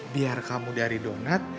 biar kamu dari donat